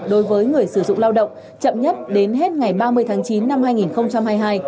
đối với người sử dụng lao động chậm nhất đến hết ngày ba mươi tháng chín năm hai nghìn hai mươi hai